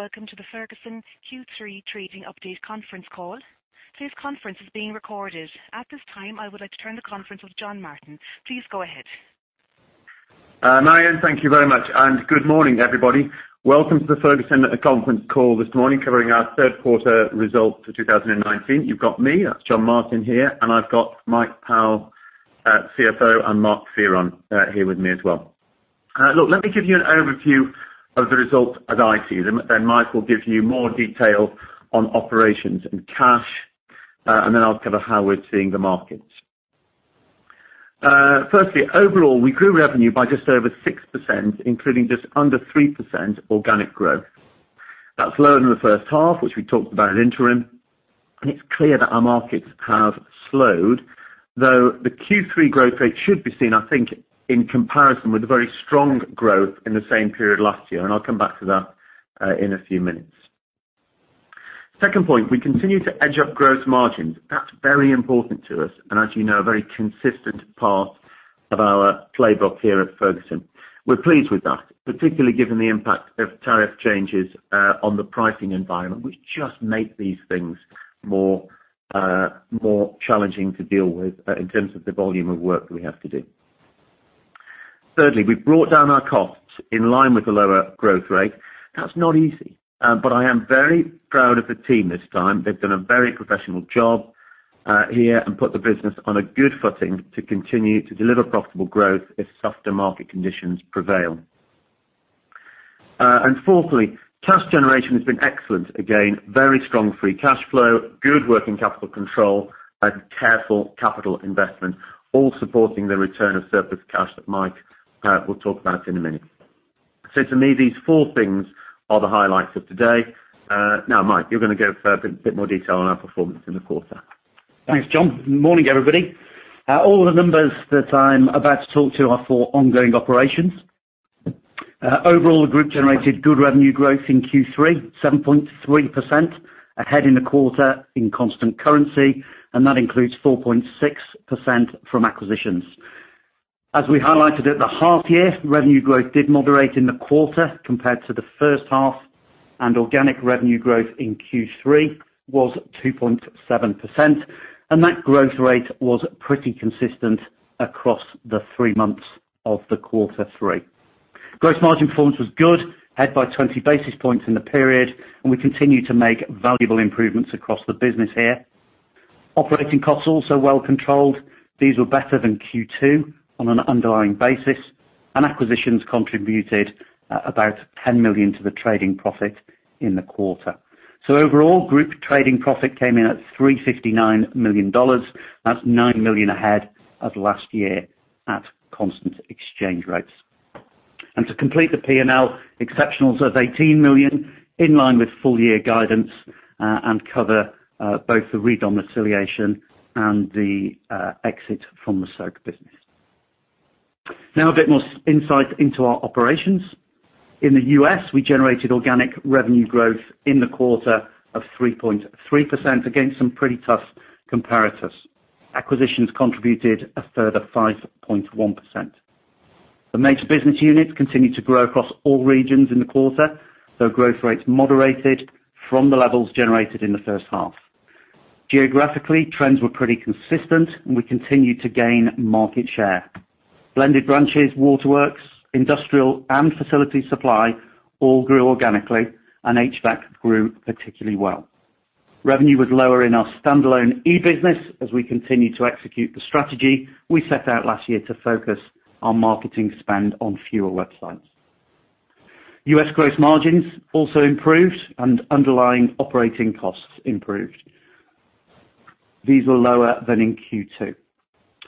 Welcome to the Ferguson Q3 trading update conference call. Today's conference is being recorded. At this time, I would like to turn the conference with John Martin. Please go ahead. Marian, thank you very much, and good morning, everybody. Welcome to the Ferguson conference call this morning covering our third quarter results for 2019. You've got me, John Martin here, and I've got Mike Powell, CFO, and Mark Fearon here with me as well. Look, let me give you an overview of the results as I see them, then Mike will give you more detail on operations and cash, and then I'll cover how we're seeing the markets. Firstly, overall, we grew revenue by just over 6%, including just under 3% organic growth. That's lower than the first half, which we talked about at interim, and it's clear that our markets have slowed, though the Q3 growth rate should be seen, I think, in comparison with the very strong growth in the same period last year, and I'll come back to that in a few minutes. Second point, we continue to edge up gross margins. That's very important to us and as you know, a very consistent part of our playbook here at Ferguson. We're pleased with that, particularly given the impact of tariff changes on the pricing environment, which just make these things more challenging to deal with in terms of the volume of work that we have to do. Thirdly, we've brought down our costs in line with the lower growth rate. That's not easy, but I am very proud of the team this time. They've done a very professional job, here and put the business on a good footing to continue to deliver profitable growth if softer market conditions prevail. Fourthly, cash generation has been excellent. Again, very strong free cash flow, good working capital control, and careful capital investment, all supporting the return of surplus cash that Mike will talk about in a minute. To me, these four things are the highlights of today. Mike, you're gonna go into a bit more detail on our performance in the quarter. Thanks, John. Morning, everybody. All the numbers that I'm about to talk to are for ongoing operations. Overall, the group generated good revenue growth in Q3, 7.3% ahead in the quarter in constant currency, and that includes 4.6% from acquisitions. As we highlighted at the half year, revenue growth did moderate in the quarter compared to the first half, and organic revenue growth in Q3 was 2.7%, and that growth rate was pretty consistent across the three months of the quarter three. Gross margin performance was good, ahead by 20 basis points in the period, and we continue to make valuable improvements across the business here. Operating costs also well controlled. These were better than Q2 on an underlying basis, and acquisitions contributed about $10 million to the trading profit in the quarter. Overall, group trading profit came in at $359 million. That's $9 million ahead of last year at constant exchange rates. To complete the P&L, exceptionals of $18 million, in line with full year guidance, and cover both the redomiciliation and the exit from the Soak business. Now a bit more insight into our operations. In the U.S., we generated organic revenue growth in the quarter of 3.3% against some pretty tough comparators. Acquisitions contributed a further 5.1%. The major business units continued to grow across all regions in the quarter, though growth rates moderated from the levels generated in the 1st half. Geographically, trends were pretty consistent, and we continued to gain market share. blended branches, Waterworks, industrial, and Facilities Supply all grew organically, and HVAC grew particularly well. Revenue was lower in our standalone e-business as we continued to execute the strategy we set out last year to focus our marketing spend on fewer websites. U.S. gross margins also improved and underlying operating costs improved. These were lower than in Q2.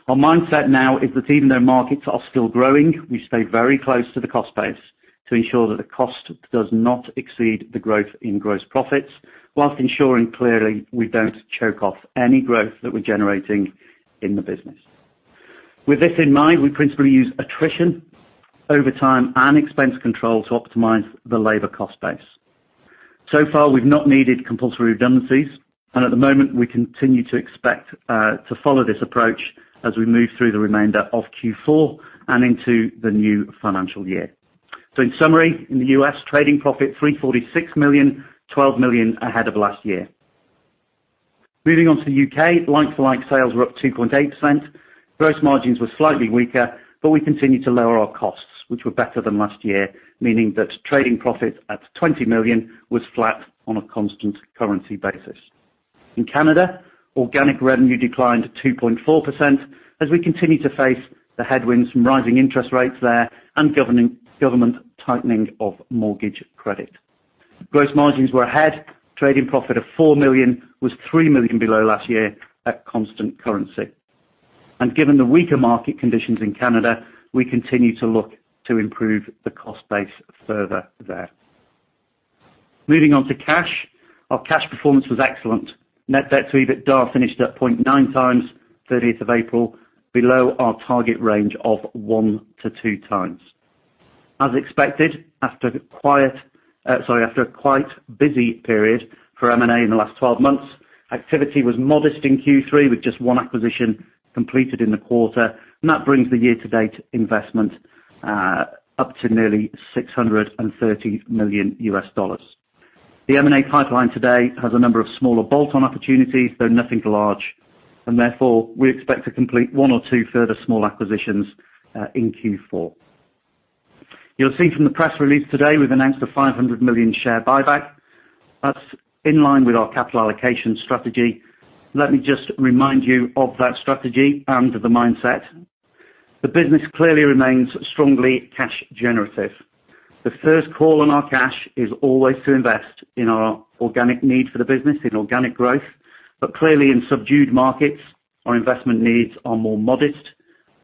Our mindset now is that even though markets are still growing, we stay very close to the cost base to ensure that the cost does not exceed the growth in gross profits while ensuring clearly we don't choke off any growth that we're generating in the business. With this in mind, we principally use attrition over time and expense control to optimize the labor cost base. So far, we've not needed compulsory redundancies, and at the moment, we continue to expect to follow this approach as we move through the remainder of Q4 and into the new financial year. In summary, in the U.S., trading profit $346 million, $12 million ahead of last year. Moving on to the U.K., like-for-like sales were up 2.8%. Gross margins were slightly weaker, but we continued to lower our costs, which were better than last year, meaning that trading profit at $20 million was flat on a constant currency basis. In Canada, organic revenue declined 2.4% as we continued to face the headwinds from rising interest rates there and government tightening of mortgage credit. Gross margins were ahead. Trading profit of $4 million was $3 million below last year at constant currency. Given the weaker market conditions in Canada, we continue to look to improve the cost base further there. Moving on to cash. Our cash performance was excellent. Net debts to EBITDA finished at 0.9x 30th of April, below our target range of 1x-2x. As expected, after a quite busy period for M&A in the last 12 months, activity was modest in Q3 with just one acquisition completed in the quarter. That brings the year-to-date investment up to nearly $630 million. The M&A pipeline today has a number of smaller bolt-on opportunities, though nothing large. Therefore, we expect to complete one or two further small acquisitions in Q4. You'll see from the press release today, we've announced a $500 million share buyback. That's in line with our capital allocation strategy. Let me just remind you of that strategy and the mindset. The business clearly remains strongly cash generative. The first call on our cash is always to invest in our organic need for the business, in organic growth. Clearly in subdued markets, our investment needs are more modest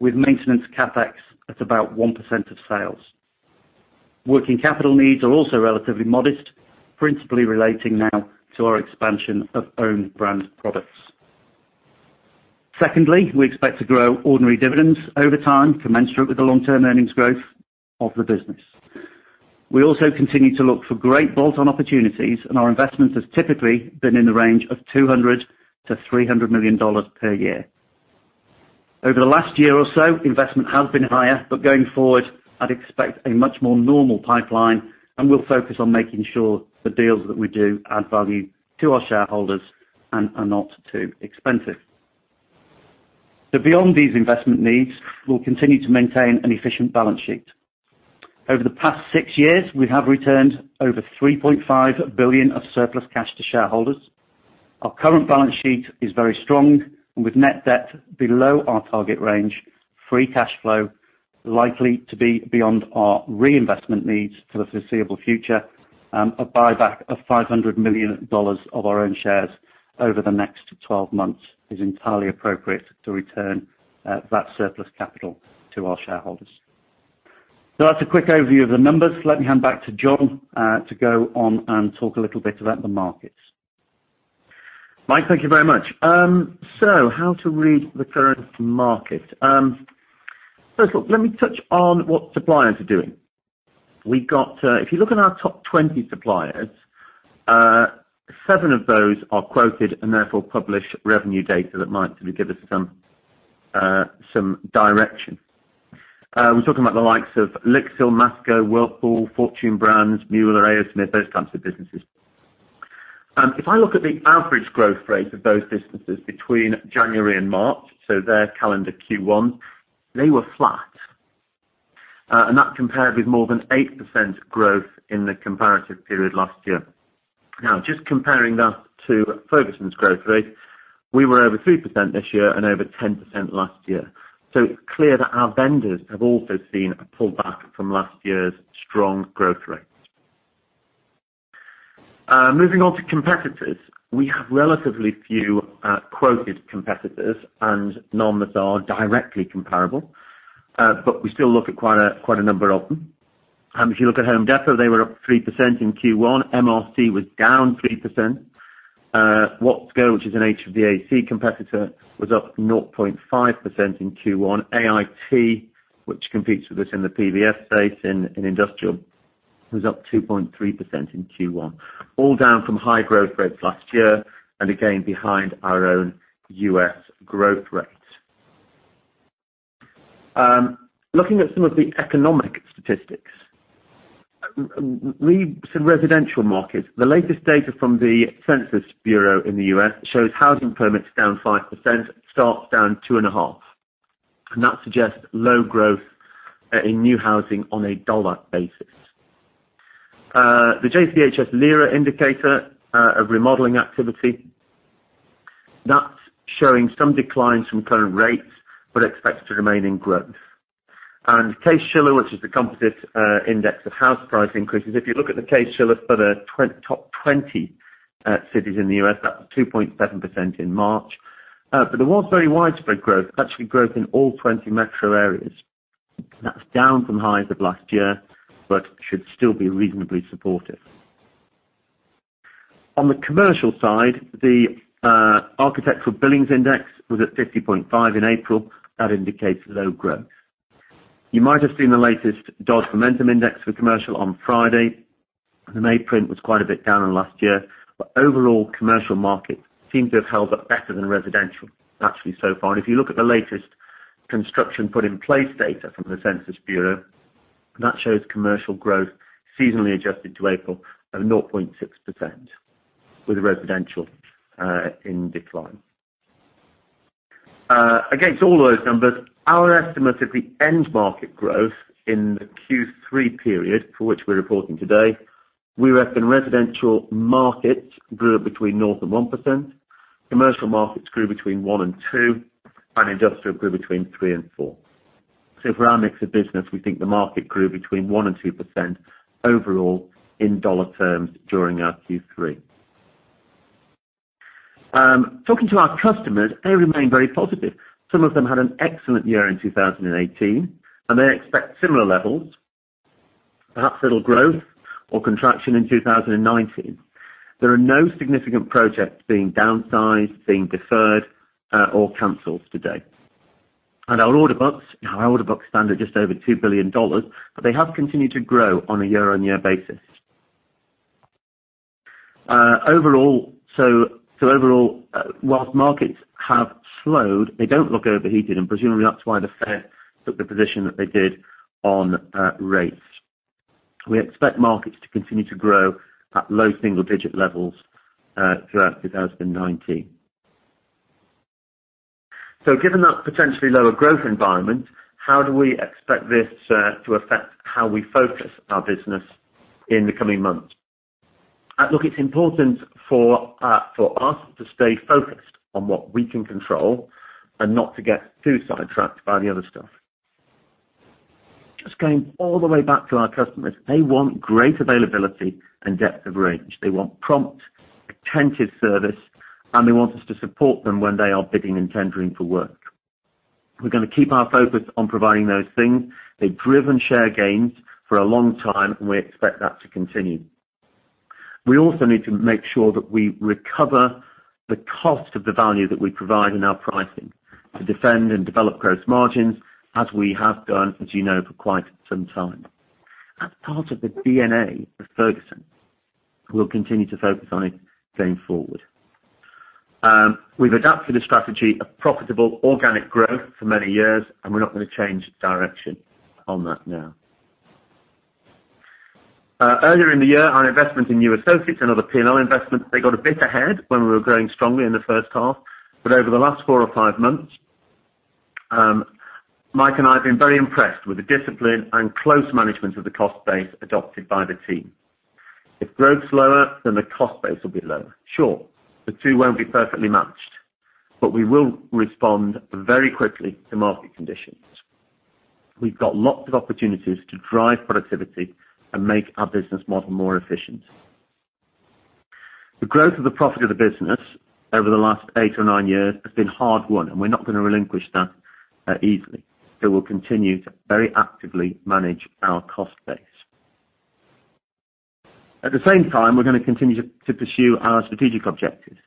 with maintenance CapEx at about 1% of sales. Working capital needs are also relatively modest, principally relating now to our expansion of Own Brand products. Secondly, we expect to grow ordinary dividends over time commensurate with the long-term earnings growth of the business. We also continue to look for great bolt-on opportunities, and our investments have typically been in the range of $200 million-$300 million per year. Over the last year or so, investment has been higher, but going forward, I'd expect a much more normal pipeline, and we'll focus on making sure the deals that we do add value to our shareholders and are not too expensive. Beyond these investment needs, we'll continue to maintain an efficient balance sheet. Over the past six years, we have returned over $3.5 billion of surplus cash to shareholders. Our current balance sheet is very strong and with net debt below our target range, free cash flow likely to be beyond our reinvestment needs for the foreseeable future. A buyback of $500 million of our own shares over the next 12 months is entirely appropriate to return that surplus capital to our shareholders. That's a quick overview of the numbers. Let me hand back to John to go on and talk a little bit about the markets. Mike, thank you very much. How to read the current market. First look, let me touch on what suppliers are doing. We got, if you look at our top 20 suppliers, seven of those are quoted and therefore publish revenue data that might give us some direction. We're talking about the likes of LIXIL, Masco, Whirlpool, Fortune Brands, Mueller, A. O. Smith, those kinds of businesses. If I look at the average growth rate of those businesses between January and March, so their calendar Q1, they were flat. That compared with more than 8% growth in the comparative period last year. Now, just comparing that to Ferguson's growth rate, we were over 3% this year and over 10% last year. It's clear that our vendors have also seen a pullback from last year's strong growth rate. Moving on to competitors. We have relatively few quoted competitors and none that are directly comparable. We still look at quite a number of them. If you look at Home Depot, they were up 3% in Q1. MRC was down 3%. Watsco, which is an HVAC competitor, was up 0.5% in Q1. AIT, which competes with us in the PVF space in industrial, was up 2.3% in Q1. All down from high growth rates last year and again behind our own U.S. growth rate. Looking at some of the economic statistics. Residential markets. The latest data from the Census Bureau in the U.S. shows housing permits down 5%, starts down 2.5%. That suggests low growth in new housing on a dollar basis. The JCHS LIRA indicator of remodeling activity, that's showing some declines from current rates, but expects to remain in growth. Case-Shiller, which is the composite index of house price increases. If you look at the Case-Shiller for the top 20 cities in the U.S., that was 2.7% in March. There was very widespread growth, actually growth in all 20 metro areas. That's down from highs of last year, but should still be reasonably supportive. On the commercial side, the Architectural Billings Index was at 50.5 in April. That indicates low growth. You might have seen the latest Dodge Momentum Index for commercial on Friday. The May print was quite a bit down on last year. Overall, commercial market seems to have held up better than residential actually so far. If you look at the latest Construction Put in Place data from the Census Bureau, that shows commercial growth seasonally adjusted to April of 0.6% with residential in decline. Against all those numbers, our estimate of the end market growth in the Q3 period for which we're reporting today, we reckon residential markets grew between 0%-1%, commercial markets grew between 1%-2%, and industrial grew between 3%-4%. For our mix of business, we think the market grew between 1%-2% overall in dollar terms during our Q3. Talking to our customers, they remain very positive. Some of them had an excellent year in 2018, they expect similar levels, perhaps little growth or contraction in 2019. There are no significant projects being downsized, being deferred, or canceled today. Our order books stand at just over $2 billion, but they have continued to grow on a year-on-year basis. Overall, whilst markets have slowed, they don't look overheated, presumably, that's why the Fed took the position that they did on rates. We expect markets to continue to grow at low single-digit levels throughout 2019. Given that potentially lower growth environment, how do we expect this to affect how we focus our business in the coming months? Look, it's important for us to stay focused on what we can control and not to get too sidetracked by the other stuff. It's going all the way back to our customers. They want great availability and depth of range. They want prompt, attentive service, and they want us to support them when they are bidding and tendering for work. We're gonna keep our focus on providing those things. They've driven share gains for a long time, and we expect that to continue. We also need to make sure that we recover the cost of the value that we provide in our pricing to defend and develop gross margins as we have done, as you know, for quite some time. That's part of the DNA of Ferguson. We'll continue to focus on it going forward. We've adapted a strategy of profitable organic growth for many years, we're not gonna change direction on that now. Earlier in the year, our investment in new associates, another P&L investment, they got a bit ahead when we were growing strongly in the first half. Over the last four or five months, Mike and I have been very impressed with the discipline and close management of the cost base adopted by the team. If growth's lower, then the cost base will be lower. Sure, the two won't be perfectly matched, but we will respond very quickly to market conditions. We've got lots of opportunities to drive productivity and make our business model more efficient. The growth of the profit of the business over the last eight or nine years has been hard-won, we're not gonna relinquish that easily. We'll continue to very actively manage our cost base. At the same time, we're gonna continue to pursue our strategic objectives.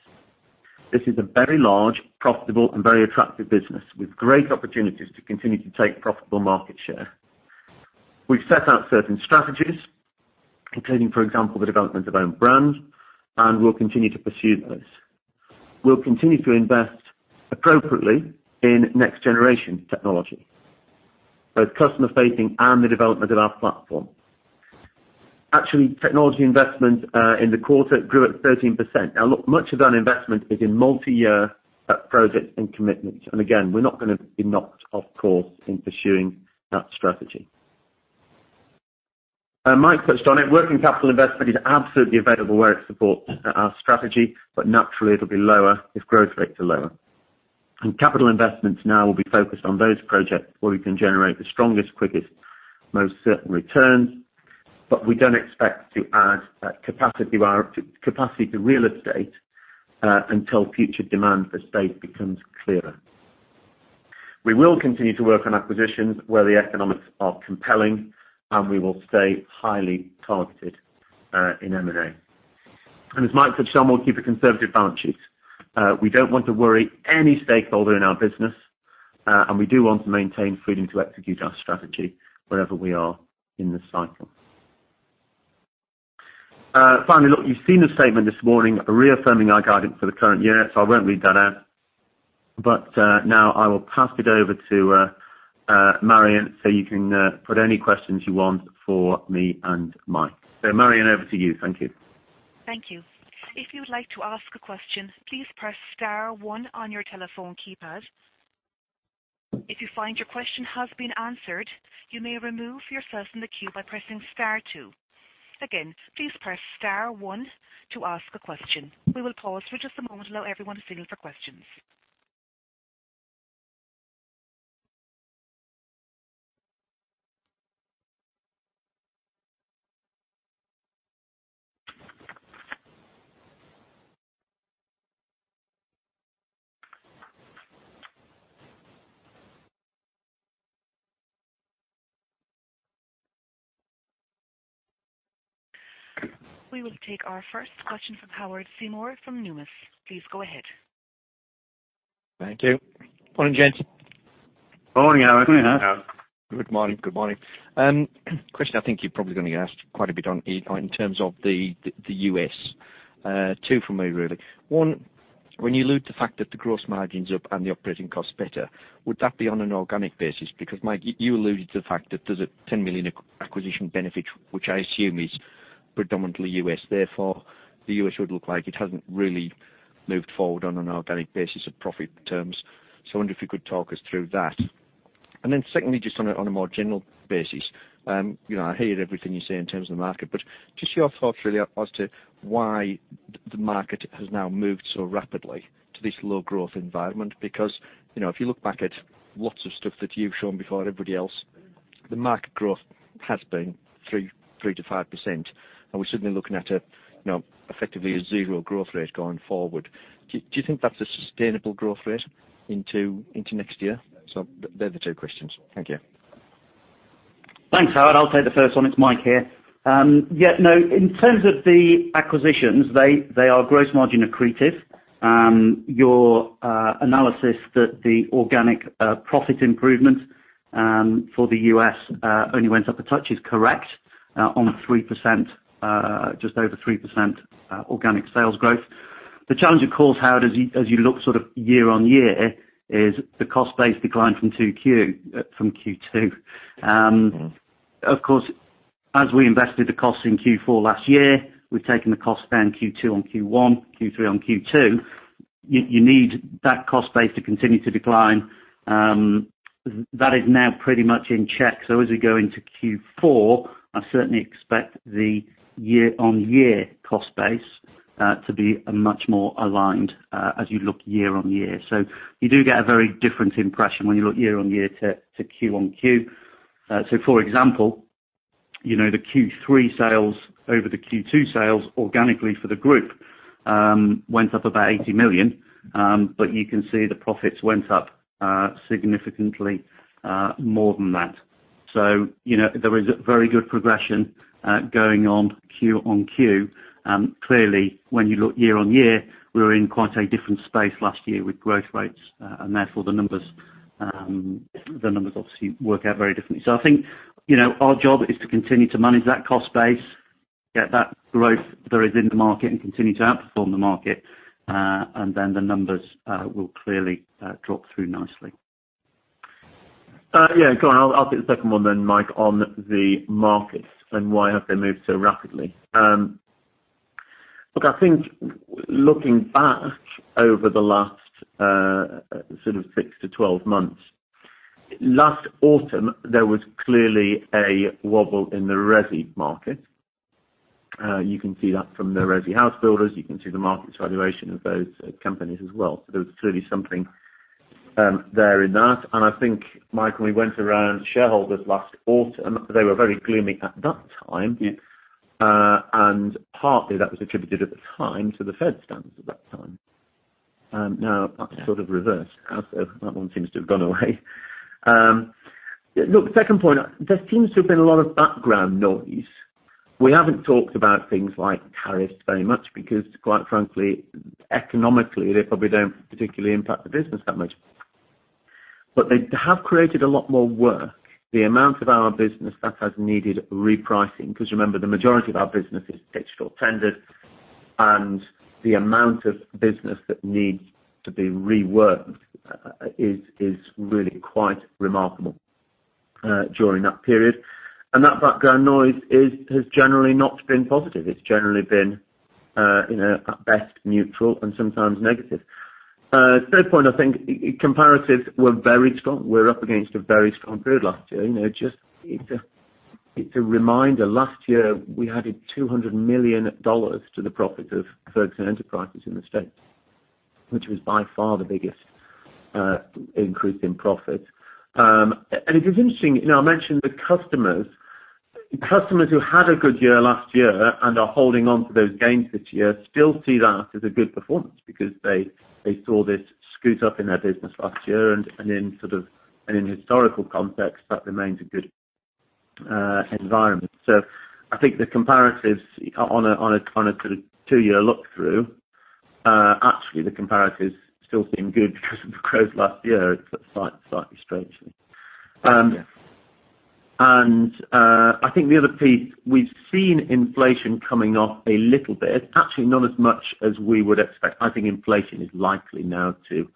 This is a very large, profitable, and very attractive business with great opportunities to continue to take profitable market share. We've set out certain strategies, including, for example, the development of Own Brand, and we'll continue to pursue those. We'll continue to invest appropriately in next-generation technology, both customer-facing and the development of our platform. Actually, technology investment in the quarter grew at 13%. Now, look, much of that investment is in multi-year projects and commitments, and again, we're not gonna be knocked off course in pursuing that strategy. Mike touched on it. Working capital investment is absolutely available where it supports our strategy, but naturally, it'll be lower if growth rates are lower. Capital investments now will be focused on those projects where we can generate the strongest, quickest, most certain returns, but we don't expect to add capacity to real estate until future demand for estate becomes clearer. We will continue to work on acquisitions where the economics are compelling, and we will stay highly targeted in M&A. As Mike said, we will keep a conservative balance sheet. We don't want to worry any stakeholder in our business, and we do want to maintain freedom to execute our strategy wherever we are in this cycle. Finally, look, you've seen the statement this morning reaffirming our guidance for the current year, so I won't read that out. Now I will pass it over to Marian so you can put any questions you want for me and Mike. Marian, over to you. Thank you. Thank you. If you would like to ask a question, please press star one on your telephone keypad. If you find your question has been answered, you may remove yourself from the queue by pressing star two. Again, please press star one to ask a question. We will pause for just one moment and allow everyone to signal for questions. We will take our first question from Howard Seymour from Numis. Please go ahead. Thank you. Morning, gents. Morning, Howard. Morning, Howard. Good morning, good morning. Question I think you're probably going to get asked quite a bit on in terms of the U.S. Two from me, really. One, when you allude to the fact that the gross margin is up and the operating cost is better, would that be on an organic basis? Mike, you alluded to the fact that there's a $10 million acquisition benefit, which I assume is predominantly U.S. The U.S. would look like it has not really moved forward on an organic basis of profit terms. I wonder if you could talk us through that. Secondly, just on a more general basis, you know, I hear everything you say in terms of the market, just your thoughts really as to why the market has now moved so rapidly to this low growth environment. Because, you know, if you look back at lots of stuff that you've shown before everybody else, the market growth has been 3%-5%, and we're suddenly looking at a, you know, effectively a zero growth rate going forward. Do you think that's a sustainable growth rate into next year? They're the two questions. Thank you. Thanks, Howard. I'll take the first one. It's Mike here. Yeah, no, in terms of the acquisitions, they are gross margin accretive. Your analysis that the organic profit improvement for the U.S. only went up a touch is correct on 3%, just over 3%, organic sales growth. The challenge, of course, Howard, as you look sort of year on year is the cost base declined from Q2. Of course, as we invested the costs in Q4 last year, we've taken the cost then Q2 on Q1, Q3 on Q2. You need that cost base to continue to decline. That is now pretty much in check. As we go into Q4, I certainly expect the year-on-year cost base to be a much more aligned as you look year-on-year. You do get a very different impression when you look year-on-year to Q-on-Q. For example, you know, the Q3 sales over the Q2 sales organically for the group went up about $80 million, but you can see the profits went up significantly more than that. You know, there is a very good progression going on Q-on-Q. Clearly, when you look year-on-year, we were in quite a different space last year with growth rates. Therefore the numbers obviously work out very differently. I think, you know, our job is to continue to manage that cost base, get that growth there is in the market and continue to outperform the market, and then the numbers will clearly drop through nicely. Yeah, go on. I'll take the second one, Mike, on the markets and why have they moved so rapidly. Look, I think looking back over the last six to 12 months, last autumn, there was clearly a wobble in the resi market. You can see that from the resi house builders. You can see the market valuation of those companies as well. There was clearly something there in that. I think, Mike, when we went around shareholders last autumn, they were very gloomy at that time. Yeah. Partly that was attributed at the time to the Fed stance at that time. Now that's sort of reversed as that one seems to have gone away. Look, second point, there seems to have been a lot of background noise. We haven't talked about things like tariffs very much because quite frankly, economically, they probably don't particularly impact the business that much. They have created a lot more work. The amount of our business that has needed repricing, because remember the majority of our business is digital tender, and the amount of business that needs to be reworked, is really quite remarkable during that period. That background noise has generally not been positive. It's generally been, you know, at best neutral and sometimes negative. Third point I think, comparatives were very strong. We're up against a very strong period last year. You know, it's a reminder, last year we added $200 million to the profit of Ferguson Enterprises in the States, which was by far the biggest increase in profit. It is interesting. Now I mentioned the customers. Customers who had a good year last year and are holding on to those gains this year still see that as a good performance because they saw this scoot up in their business last year and in historical context, that remains a good environment. I think the comparatives on a sort of two-year look through, actually the comparatives still seem good because of the growth last year. It's slightly strangely. I think the other piece, we've seen inflation coming off a little bit, actually not as much as we would expect. I think inflation is likely now to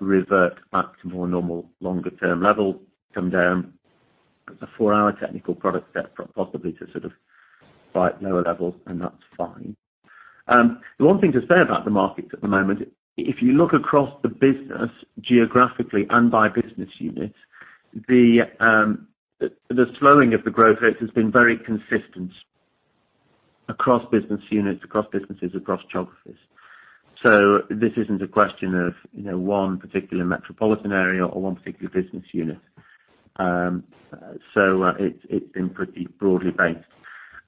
revert back to more normal longer term levels, come down a four-hour technical product set possibly to sort of slight lower level, and that's fine. The one thing to say about the markets at the moment, if you look across the business geographically and by business unit, the slowing of the growth rates has been very consistent across business units, across businesses, across geographies. This isn't a question of, you know, one particular metropolitan area or one particular business unit. It's been pretty broadly based.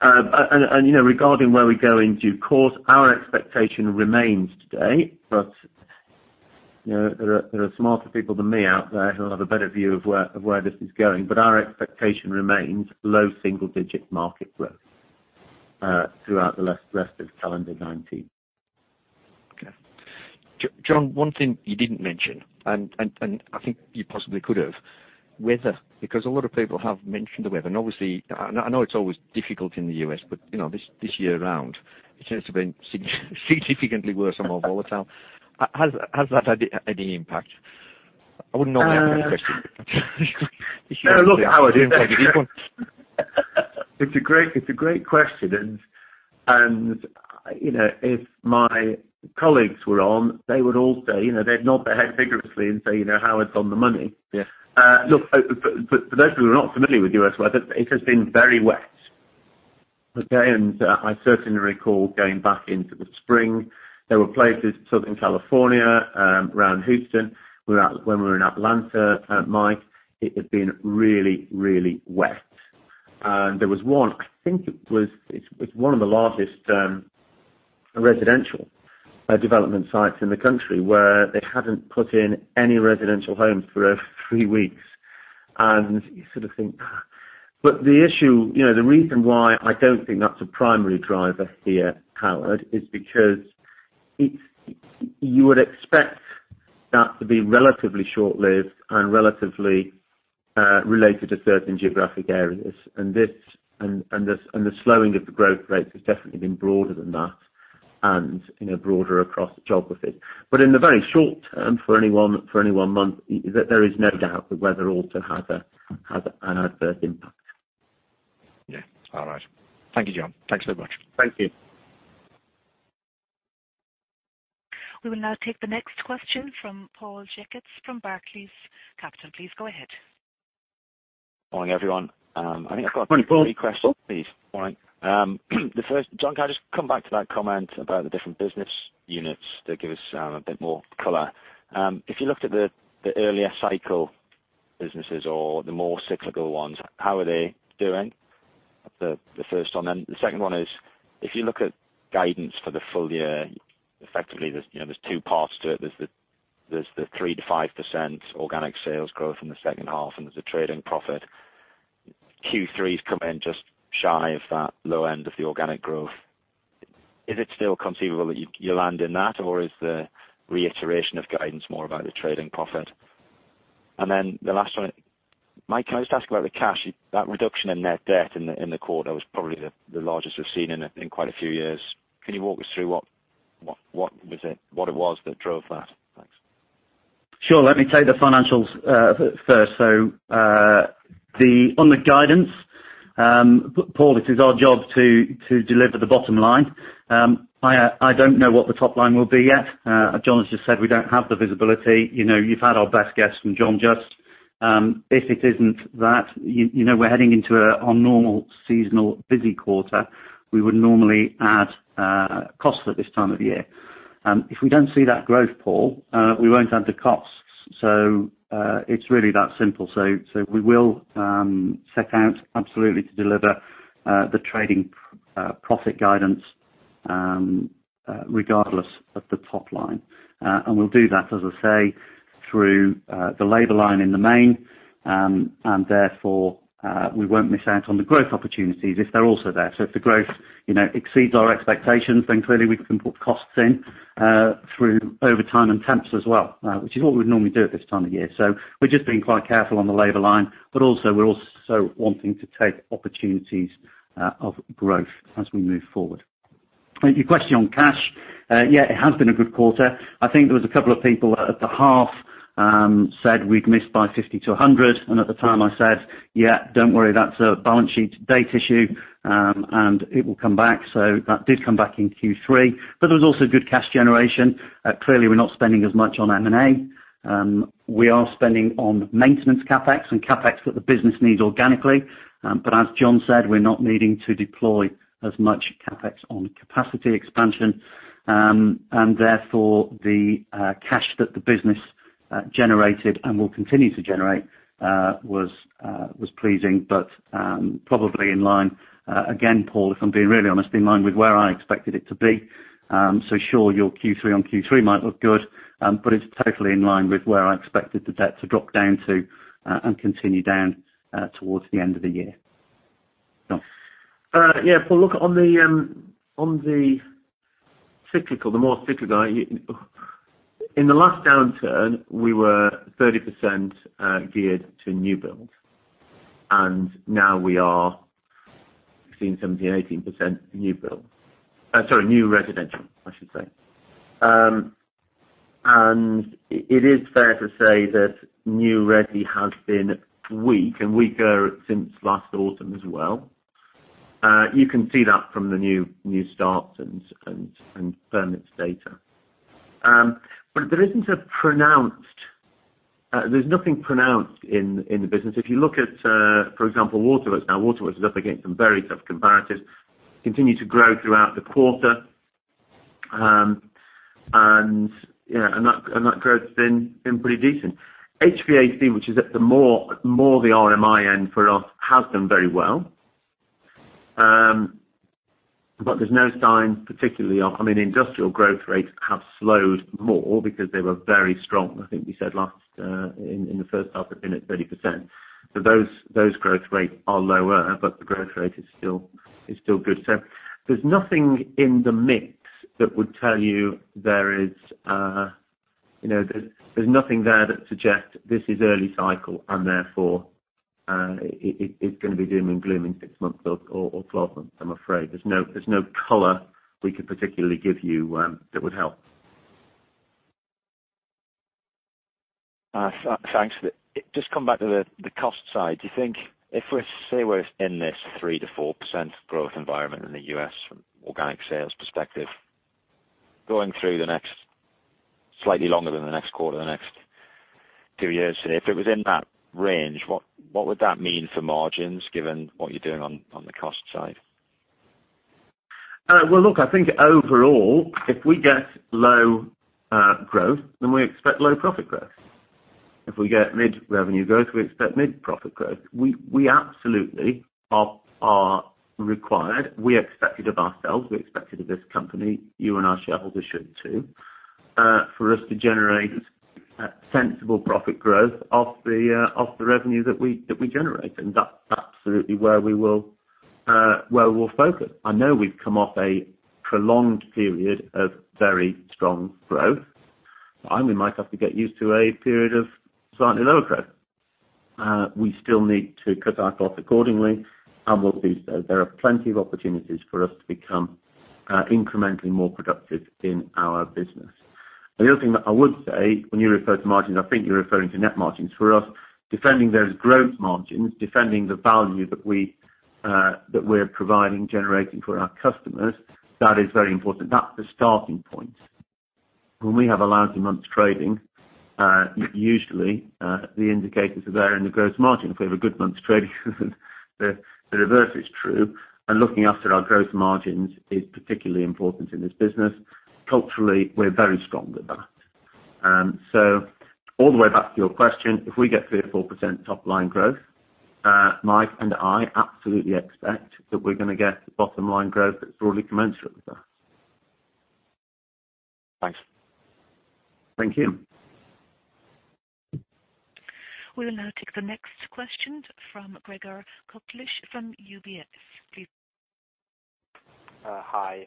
Regarding where we go in due course, our expectation remains today, but, you know, there are smarter people than me out there who'll have a better view of where, of where this is going. Our expectation remains low single digit market growth throughout the rest of calendar 2019. Okay. John, one thing you didn't mention, and I think you possibly could have, weather, because a lot of people have mentioned the weather. Obviously, I know it's always difficult in the U.S., but you know, this year round it seems to have been significantly worse and more volatile. Has that had any impact? I wouldn't normally ask that question. No, look, Howard. It's a great question. You know, if my colleagues were on, they would all say, you know, they'd nod their head vigorously and say, "You know, Howard's on the money. Yeah. Look, for those people who are not familiar with U.S. weather, it has been very wet. Okay. I certainly recall going back into the spring, there were places, Southern California, around Houston, where when we were in Atlanta at Mike, it had been really, really wet. There was one, it's one of the largest residential development sites in the country where they hadn't put in any residential homes for over three weeks. You sort of think, "Ah." The issue, you know, the reason why I don't think that's a primary driver here, Howard, is because you would expect that to be relatively short-lived and relatively related to certain geographic areas. This and the slowing of the growth rates has definitely been broader than that and broader across geographies. In the very short term, for any one month, there is no doubt that weather also had an adverse impact. Yeah. All right. Thank you, John. Thanks so much. Thank you. We will now take the next question from Paul Checketts from Barclays Capital. Please go ahead. Morning, everyone. I think Morning, Paul. Three questions. Morning. The first, John, can I just come back to that comment about the different business units that give us a bit more color. If you looked at the earlier cycle businesses or the more cyclical ones, how are they doing? The first one. The second one is, if you look at guidance for the full year, effectively there's, you know, two parts to it. There's the 3%-5% organic sales growth in the second half, and there's the trading profit. Q3 has come in just shy of that low end of the organic growth. Is it still conceivable that you land in that, or is the reiteration of guidance more about the trading profit? The last one. Mike, can I just ask about the cash? That reduction in net debt in the quarter was probably the largest we've seen in quite a few years. Can you walk us through what it was that drove that? Thanks. Sure. Let me take the financials first. On the guidance, Paul, it is our job to deliver the bottom line. I don't know what the top line will be yet. John has just said we don't have the visibility. You know, you've had our best guess from John just. If it isn't that, you know, we're heading into our normal seasonal busy quarter, we would normally add costs at this time of year. If we don't see that growth, Paul, we won't add the costs. It's really that simple. We will set out absolutely to deliver the trading profit guidance regardless of the top line. We'll do that, as I say, through the labor line in the main, and therefore, we won't miss out on the growth opportunities if they're also there. If the growth, you know, exceeds our expectations, then clearly we can put costs in through overtime and temps as well, which is what we'd normally do at this time of year. We're just being quite careful on the labor line, but also we're also wanting to take opportunities of growth as we move forward. Your question on cash. Yeah, it has been a good quarter. I think there was a couple of people at the half, said we'd missed by $50-$100, and at the time, I said, "Yeah, don't worry, that's a balance sheet date issue, and it will come back." That did come back in Q3. There was also good cash generation. Clearly, we're not spending as much on M&A. We are spending on maintenance CapEx and CapEx that the business needs organically. But as John said, we're not needing to deploy as much CapEx on capacity expansion. Therefore, the cash that the business generated and will continue to generate, was pleasing, but probably in line. Again, Paul, if I'm being really honest, in line with where I expected it to be. Sure, your Q3 on Q3 might look good, but it's totally in line with where I expected the debt to drop down to and continue down towards the end of the year. John. Yeah. If we look on the cyclical, the more cyclical, in the last downturn, we were 30% geared to new build, and now we are 16%, 17%, 18% new build. Sorry, new residential, I should say. It is fair to say that new resi has been weak and weaker since last autumn as well. You can see that from the new starts and permits data. There's nothing pronounced in the business. If you look at, for example, Waterworks. Now, Waterworks is up against some very tough comparatives, continue to grow throughout the quarter. That growth's been pretty decent. HVAC, which is at the more the RMI end for us, has done very well. There's no sign, particularly of I mean, industrial growth rates have slowed more because they were very strong. I think we said last in the first half they've been at 30%. Those growth rates are lower, but the growth rate is still good. There's nothing in the mix that would tell you there is, you know, nothing there that suggests this is early cycle and therefore, it's gonna be doom and gloom in six months or 12 months, I'm afraid. There's no color we could particularly give you that would help. Thanks for that. Just come back to the cost side. Do you think if we're in this 3%-4% growth environment in the U.S. from organic sales perspective, going through the next, slightly longer than the next quarter, the next two years, say, if it was in that range, what would that mean for margins, given what you're doing on the cost side? Well, look, I think overall, if we get low growth, then we expect low profit growth. If we get mid revenue growth, we expect mid profit growth. We absolutely are required. We expect it of ourselves. We expect it of this company. You and our shareholders should too, for us to generate sensible profit growth of the revenue that we generate. That's absolutely where we will focus. I know we've come off a prolonged period of very strong growth. We might have to get used to a period of slightly lower growth. We still need to cut our cloth accordingly, and we'll be so. There are plenty of opportunities for us to become incrementally more productive in our business. The other thing that I would say when you refer to margins, I think you're referring to net margins. For us, defending those gross margins, defending the value that we that we're providing, generating for our customers, that is very important. That's the starting point. When we have a lousy month's trading, usually the indicators are there in the gross margin. If we have a good month's trading, the reverse is true, looking after our gross margins is particularly important in this business. Culturally, we're very strong at that. All the way back to your question, if we get 3%-4% top line growth, Mike and I absolutely expect that we're gonna get bottom line growth that's broadly commensurate with that. Thanks. Thank you. We'll now take the next question from Gregor Kuglitsch from UBS, please. Hi.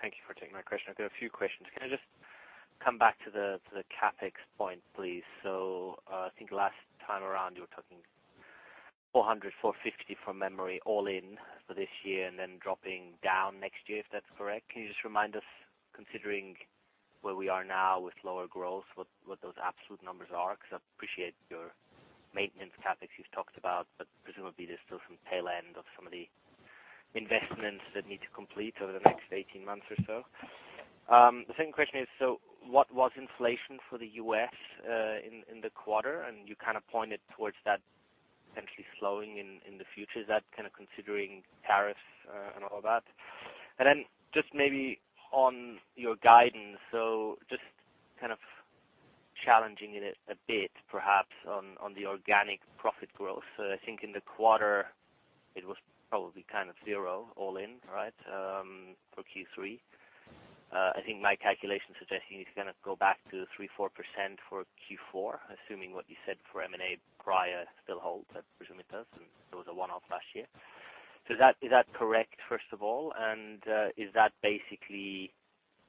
Thank you for taking my question. I've got a few questions. Can I just come back to the CapEx point, please? I think last time around, you were talking $400, $450 from memory all in for this year and then dropping down next year, if that's correct. Can you just remind us, considering where we are now with lower growth, what those absolute numbers are? 'Cause I appreciate your maintenance CapEx you've talked about, but presumably there's still some tail end of some of the investments that need to complete over the next 18 months or so. The second question is, what was inflation for the U.S. in the quarter? You kind of pointed towards that potentially slowing in the future. Is that kind of considering tariffs and all that? Just maybe on your guidance, just kind of challenging it a bit perhaps on the organic profit growth. I think in the quarter it was probably kind of zero all in, right, for Q3. I think my calculation suggesting it's gonna go back to 3%-4% for Q4, assuming what you said for M&A prior still holds. I presume it does, there was a one-off last year. Is that correct, first of all? Is that basically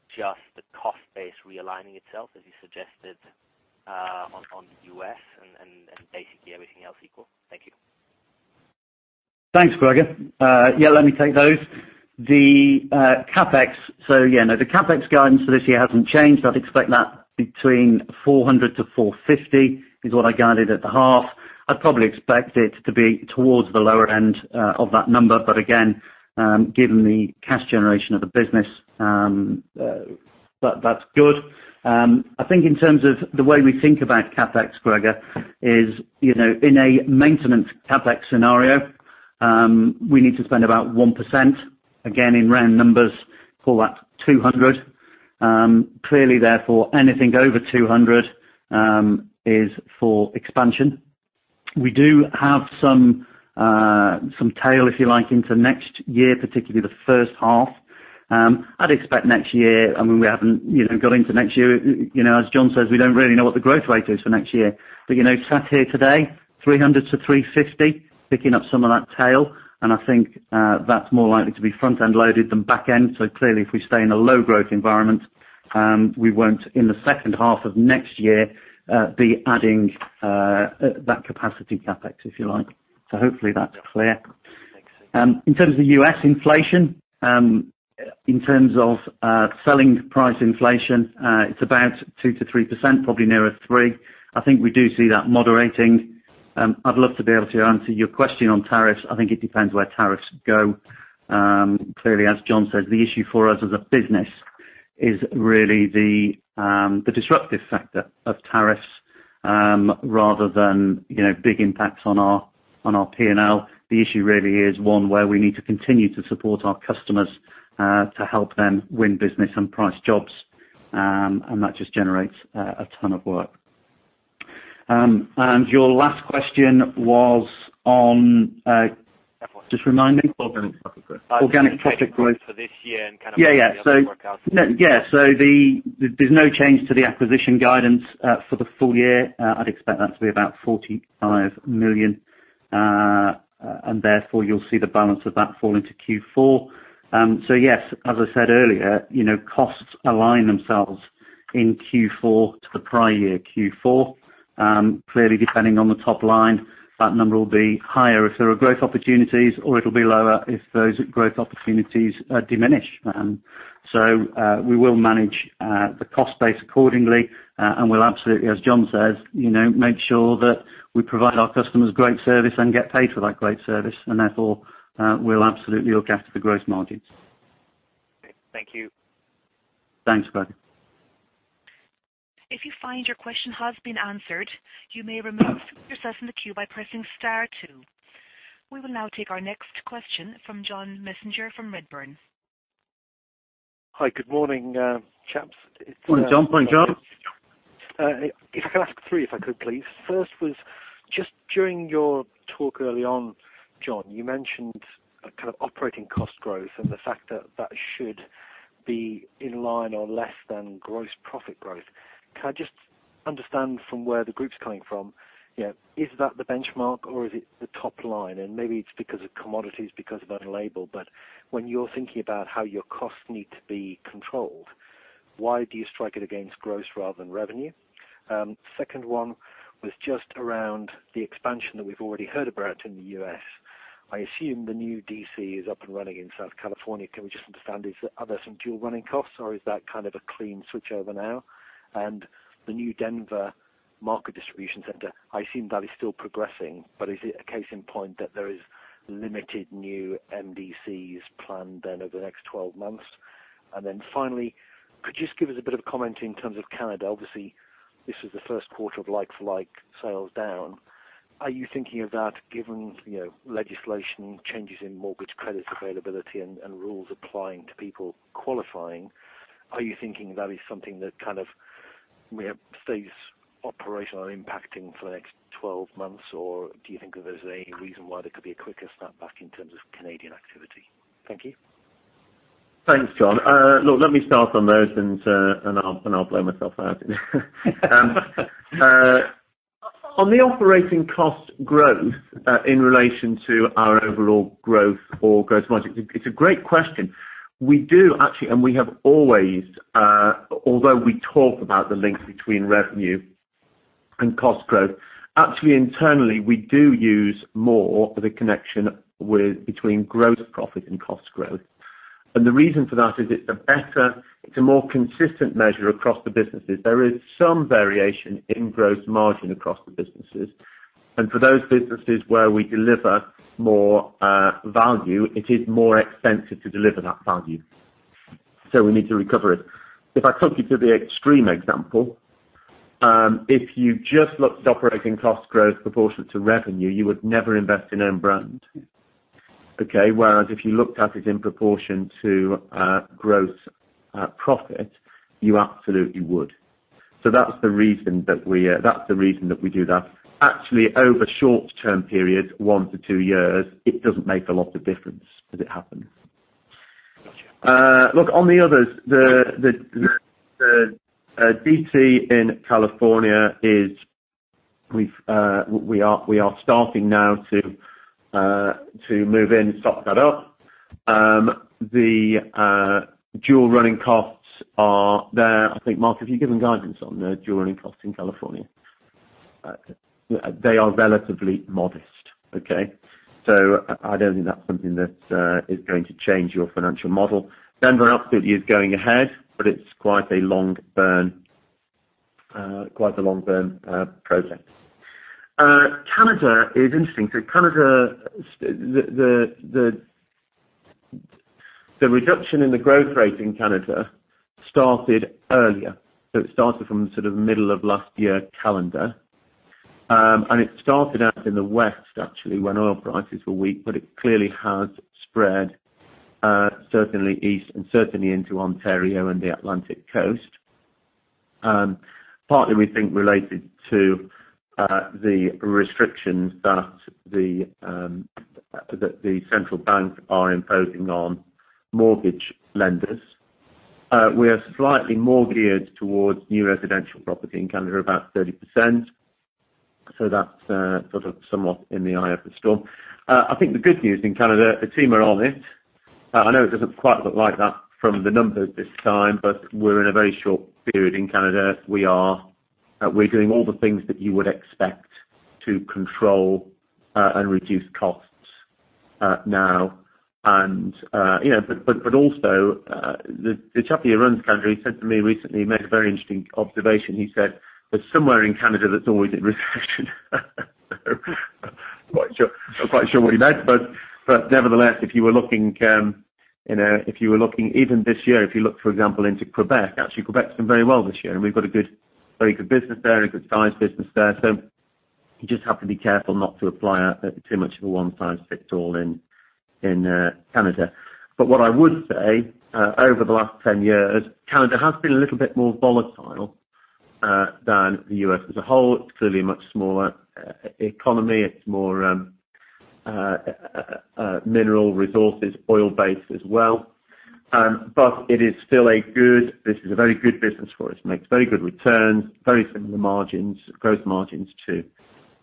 just the cost base realigning itself, as you suggested, on the U.S. and basically everything else equal? Thank you. Thanks, Gregor. Yeah, let me take those. The CapEx. Yeah, no, the CapEx guidance for this year hasn't changed. I'd expect that between $400-$450 is what I guided at the half. I'd probably expect it to be towards the lower end of that number. Again, given the cash generation of the business, that's good. I think in terms of the way we think about CapEx, Gregor, is, you know, in a maintenance CapEx scenario, we need to spend about 1%, again, in round numbers, call that $200. Clearly therefore, anything over $200 is for expansion. We do have some tail, if you like, into next year, particularly the first half. I'd expect next year, I mean, we haven't, you know, got into next year. You know, as John says, we don't really know what the growth rate is for next year. You know, sat here today, $300-$350, picking up some of that tail, and I think that's more likely to be front-end loaded than back-end. Clearly, if we stay in a low growth environment, we won't, in the second half of next year, be adding that capacity CapEx, if you like. Hopefully that's clear. Thanks. In terms of U.S. inflation, in terms of selling price inflation, it's about 2%-3%, probably nearer 3%. I think we do see that moderating. I'd love to be able to answer your question on tariffs. I think it depends where tariffs go. Clearly, as John says, the issue for us as a business is really the disruptive factor of tariffs, rather than, you know, big impacts on our P&L. The issue really is one where we need to continue to support our customers to help them win business and price jobs. That just generates a ton of work. Your last question was on, just remind me. Organic profit growth. Organic profit growth. For this year and kind of- Yeah, yeah. the forecast. There's no change to the acquisition guidance for the full year. I'd expect that to be about $45 million. Therefore, you'll see the balance of that fall into Q4. Yes, as I said earlier, you know, costs align themselves in Q4 to the prior year Q4. Clearly, depending on the top line, that number will be higher if there are growth opportunities, or it'll be lower if those growth opportunities diminish. We will manage the cost base accordingly. We'll absolutely, as John says, you know, make sure that we provide our customers great service and get paid for that great service. Therefore, we'll absolutely look after the gross margins. Thank you. Thanks, Gregor. If you find your question has been answered, you may remove yourself from the queue by pressing star two. We will now take our next question from John Messenger from Redburn. Hi, good morning, chaps. Jump on, John. If I could ask three, if I could please. First was just during your talk early on, John, you mentioned a kind of operating cost growth and the fact that that should be in line or less than gross profit growth. Can I just understand from where the group's coming from? You know, is that the benchmark or is it the top line? Maybe it's because of commodities, because of Own Brand, but when you're thinking about how your costs need to be controlled, why do you strike it against gross rather than revenue? Second one was just around the expansion that we've already heard about in the U.S. I assume the new DC is up and running in Southern California. Can we just understand, are there some dual running costs or is that kind of a clean switchover now? The new Denver Market Distribution Center, I assume that is still progressing, but is it a case in point that there is limited new MDCs planned then over the next 12 months? Finally, could you just give us a bit of comment in terms of Canada? Obviously, this was the 1st quarter of like-for-like sales down. Are you thinking of that given, you know, legislation changes in mortgage credit availability and rules applying to people qualifying, are you thinking that is something that kind of, you know, stays operational or impacting for the next 12 months, or do you think that there's any reason why there could be a quicker snapback in terms of Canadian activity? Thank you. Thanks, John. Look, let me start on those and I'll blow myself out. On the operating cost growth, in relation to our overall growth or gross margin, it's a great question. We do actually, and we have always, although we talk about the link between revenue and cost growth, actually internally, we do use more the connection between gross profit and cost growth. The reason for that is it's a better, more consistent measure across the businesses. There is some variation in gross margin across the businesses, and for those businesses where we deliver more value, it is more expensive to deliver that value. We need to recover it. If I took you to the extreme example, if you just looked at operating cost growth proportionate to revenue, you would never invest in Own Brand. Okay. Whereas if you looked at it in proportion to gross profit, you absolutely would. That's the reason that we do that. Actually, over short-term periods, one to two years, it doesn't make a lot of difference as it happens. Gotcha. Look on the others, the DC in California is starting now to move in and stock that up. The dual running costs are there. I think, Mark, have you given guidance on the dual running costs in California? They are relatively modest. Okay. I don't think that's something that is going to change your financial model. Denver absolutely is going ahead, but it's quite a long burn, quite a long-burn project. Canada is interesting. Canada, the reduction in the growth rate in Canada started earlier. It started from sort of middle of last year calendar. It started out in the West actually when oil prices were weak, but it clearly has spread, certainly East and certainly into Ontario and the Atlantic Coast. Partly, we think related to the restrictions that the central bank are imposing on mortgage lenders. We are slightly more geared towards new residential property in Canada, about 30%. That's, sort of somewhat in the eye of the storm. I think the good news in Canada, the team are on it. I know it doesn't quite look like that from the numbers this time, but we're in a very short period in Canada. We are doing all the things that you would expect to control and reduce costs now. You know, but also, the chap who runs Canada, he said to me recently, he made a very interesting observation. He said, "There's somewhere in Canada that's always in recession." Not quite sure what he meant, but nevertheless, if you were looking, you know, if you were looking even this year, if you look for example, into Quebec, actually Quebec's done very well this year. We've got a good, very good business there and a good size business there. You just have to be careful not to apply a too much of a one-size-fits-all in Canada. What I would say, over the last 10 years, Canada has been a little bit more volatile than the U.S. as a whole. It's clearly a much smaller e-economy. It's more mineral resources, oil-based as well. This is a very good business for us. Makes very good returns, very similar margins, gross margins to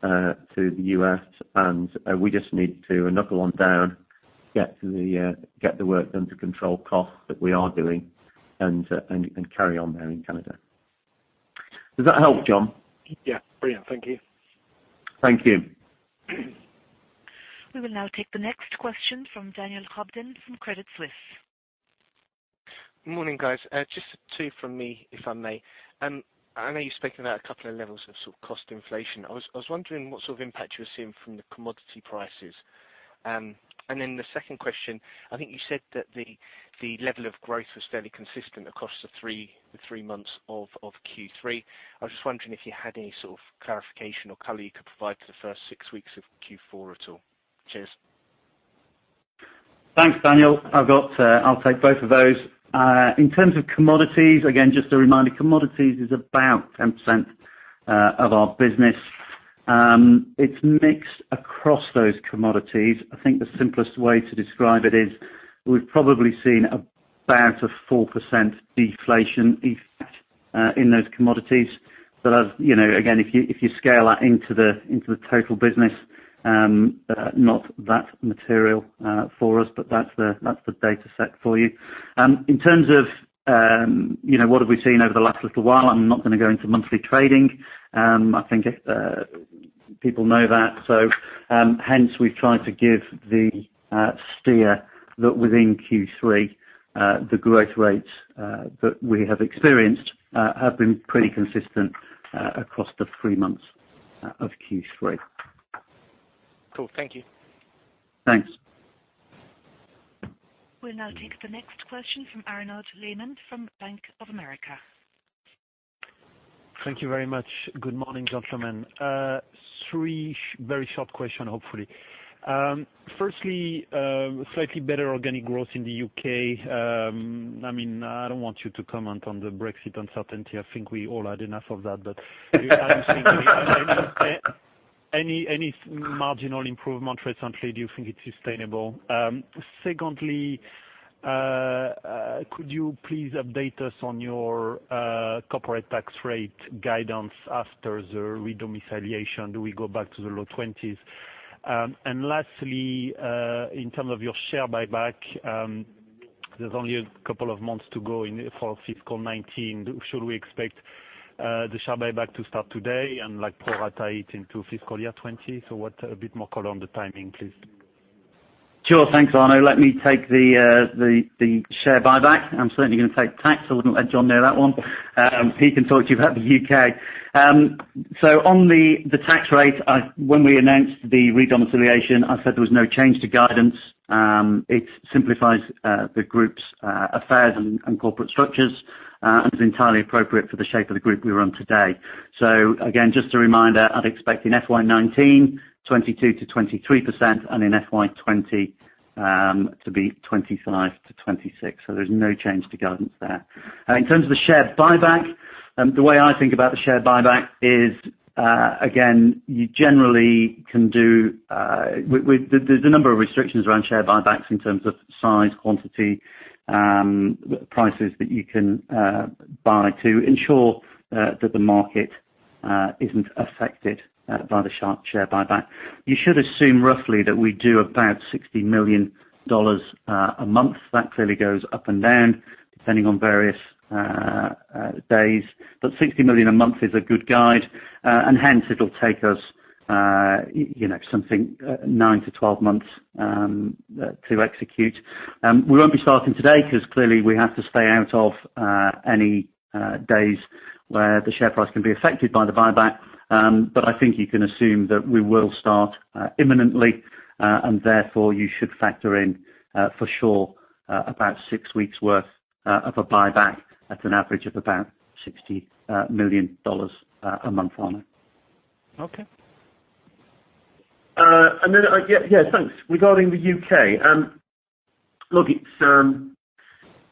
to the U.S. We just need to knuckle on down, get the get the work done to control costs that we are doing and carry on there in Canada. Does that help, John? Yeah, brilliant. Thank you. Thank you. We will now take the next question from Daniel Hobden from Credit Suisse. Morning, guys. Just two from me, if I may. I know you've spoken about a couple of levels of sort of cost inflation. I was wondering what sort of impact you're seeing from the commodity prices. The second question, I think you said that the level of growth was fairly consistent across the three months of Q3. I was just wondering if you had any sort of clarification or color you could provide for the first six weeks of Q4 at all. Cheers. Thanks, Daniel. I've got, I'll take both of those. In terms of commodities, again, just a reminder, commodities is about 10% of our business. It's mixed across those commodities. I think the simplest way to describe it is we've probably seen about a 4% deflation effect in those commodities. As, you know, again, if you scale that into the total business, not that material for us, but that's the data set for you. In terms of, you know, what have we seen over the last little while, I'm not gonna go into monthly trading. I think people know that. Hence, we've tried to give the steer that within Q3, the growth rates that we have experienced have been pretty consistent across the three months of Q3. Cool. Thank you. Thanks. We'll now take the next question from Arnaud Lemaire from Bank of America. Thank you very much. Good morning, gentlemen. Three very short question, hopefully. Firstly, slightly better organic growth in the U.K. I mean, I don't want you to comment on the Brexit uncertainty. I think we all had enough of that. Do you have you seen any marginal improvement recently? Do you think it's sustainable? Secondly, could you please update us on your corporate tax rate guidance after the redomiciliation? Do we go back to the low 20s? Lastly, in terms of your share buyback, there's only a couple of months to go for fiscal 2019. Should we expect the share buyback to start today and, like, prorate it into fiscal year 2020? A bit more color on the timing, please. Sure. Thanks, Arnaud. Let me take the share buyback. I'm certainly gonna take tax. I wouldn't let John know that one. He can talk to you about the U.K. On the tax rate, when we announced the redomiciliation, I said there was no change to guidance. It simplifies the group's affairs and corporate structures and is entirely appropriate for the shape of the group we run today. Again, just a reminder, I'd expect in FY 2019, 22%-23%, and in FY 2020, to be 25%-26%. There's no change to guidance there. In terms of the share buyback, the way I think about the share buyback is, again, there's a number of restrictions around share buybacks in terms of size, quantity, prices that you can buy to ensure that the market isn't affected by the sharp share buyback. You should assume roughly that we do about $60 million a month. That clearly goes up and down depending on various days. $60 million a month is a good guide. Hence, it'll take us, you know, something 9 to 12 months to execute. We won't be starting today 'cause clearly we have to stay out of any days where the share price can be affected by the buyback. I think you can assume that we will start imminently, and therefore you should factor in for sure about $60 million a month, Arnaud. Okay. Yeah, thanks. Regarding the U.K.,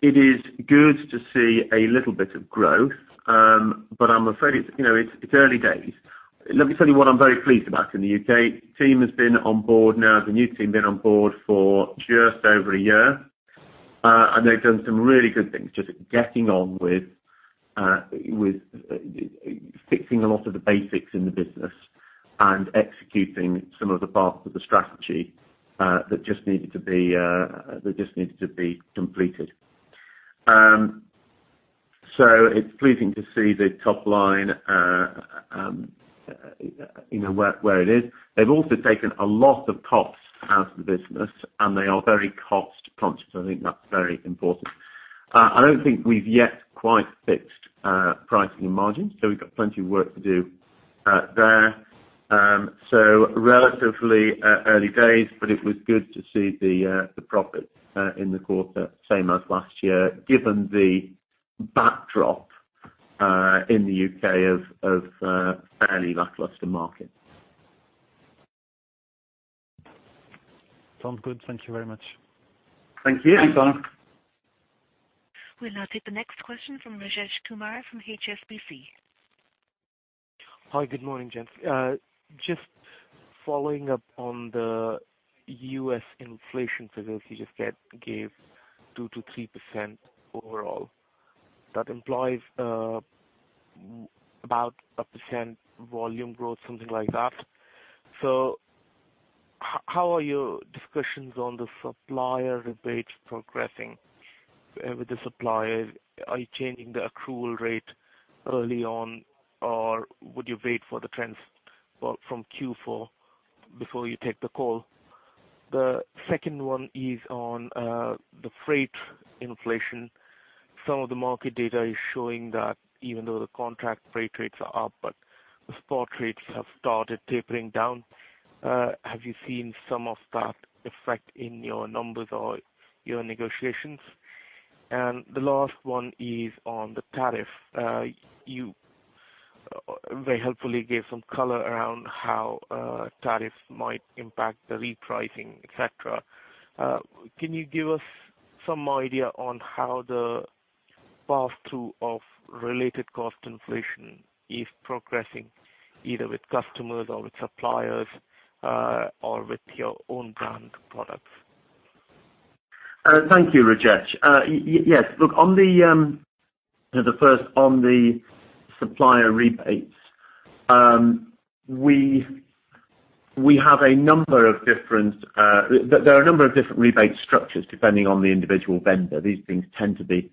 it is good to see a little bit of growth. I'm afraid it's, you know, it's early days. Let me tell you what I'm very pleased about in the U.K. Team has been on board now. The new team been on board for just over a year. They've done some really good things, just getting on with fixing a lot of the basics in the business and executing some of the parts of the strategy that just needed to be completed. It's pleasing to see the top line, you know, where it is. They've also taken a lot of costs out of the business, and they are very cost conscious. I think that's very important. I don't think we've yet quite fixed pricing and margins, so we've got plenty of work to do there. Relatively early days, but it was good to see the profit in the quarter same as last year, given the backdrop in the U.K. of fairly lackluster markets. Sounds good. Thank you very much. Thank you. Thanks, Arnaud. We'll now take the next question from Rajesh Kumar from HSBC. Hi, good morning, gents. Just following up on the US inflation figures you just gave, 2%-3% overall. That implies about 1% volume growth, something like that. How are your discussions on the supplier rebates progressing with the suppliers? Are you changing the accrual rate early on, or would you wait for the trends, well, from Q4 before you take the call? The second one is on the freight inflation. Some of the market data is showing that even though the contract freight rates are up, but the spot rates have started tapering down. Have you seen some of that effect in your numbers or your negotiations? The last one is on the tariff. Very helpfully gave some color around how tariffs might impact the repricing, et cetera. Can you give us some idea on how the pass-through of related cost inflation is progressing either with customers or with suppliers, or with your Own Brand products? Thank you, Rajesh. Yes. Look on the first on the supplier rebates, there are a number of different rebate structures depending on the individual vendor. These things tend to be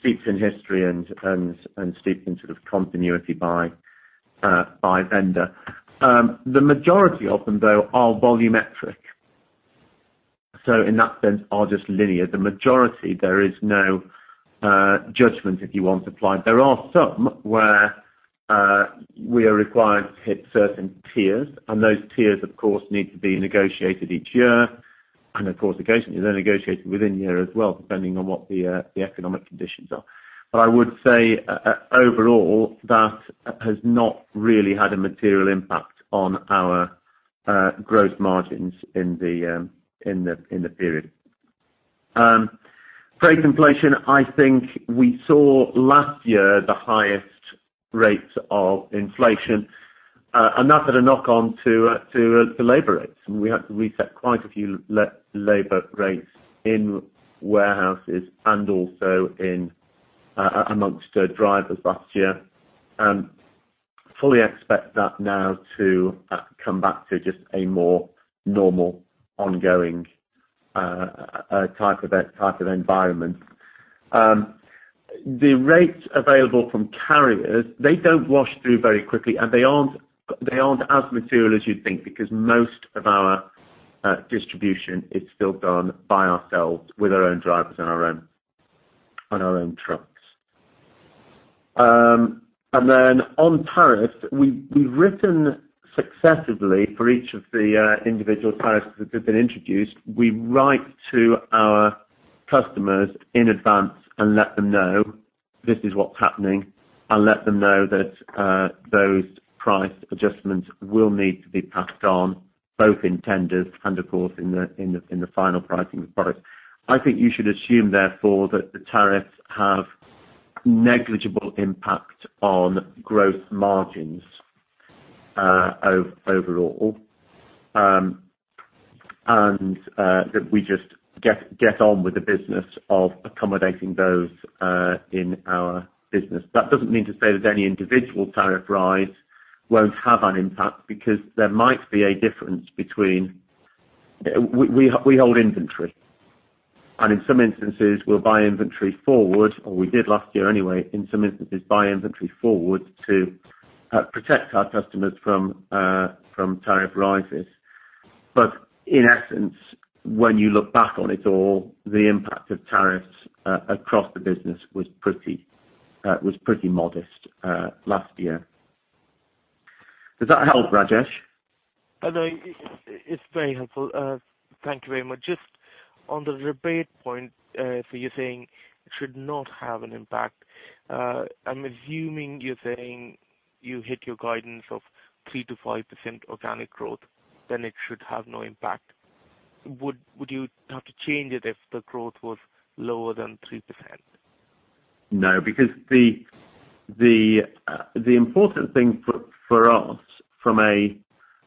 steeped in history and steeped in sort of continuity by vendor. The majority of them, though, are volumetric. So in that sense, are just linear. The majority, there is no judgment, if you want, applied. There are some where we are required to hit certain tiers, and those tiers, of course, need to be negotiated each year. Of course, occasionally, they're negotiated within the year as well, depending on what the economic conditions are. I would say, overall, that has not really had a material impact on our gross margins in the period. Freight inflation, I think we saw last year the highest rates of inflation, and that had a knock-on to the labor rates. We had to reset quite a few labor rates in warehouses and also amongst the drivers last year. Fully expect that now to come back to just a more normal, ongoing, type of environment. The rates available from carriers, they don't wash through very quickly, and they aren't, they aren't as material as you'd think, because most of our distribution is still done by ourselves with our own drivers and our own trucks. Then on tariffs, we've written successively for each of the individual tariffs that have been introduced. We write to our customers in advance and let them know this is what's happening and let them know that those price adjustments will need to be passed on, both in tenders and of course, in the final pricing of the product. I think you should assume, therefore, that the tariffs have negligible impact on gross margins overall. That we just get on with the business of accommodating those in our business. That doesn't mean to say that any individual tariff rise won't have an impact because there might be a difference between We hold inventory, and in some instances we'll buy inventory forward, or we did last year anyway, in some instances, buy inventory forward to protect our customers from tariff rises. In essence, when you look back on it all, the impact of tariffs across the business was pretty modest last year. Does that help, Rajesh? It's very helpful. Thank you very much. Just on the rebate point, you're saying it should not have an impact. I'm assuming you're saying you hit your guidance of 3%-5% organic growth, it should have no impact. Would you have to change it if the growth was lower than 3%? No, because the important thing for us